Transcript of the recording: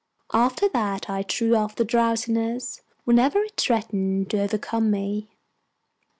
After that I threw off the drowsiness whenever it threatened to overcome me.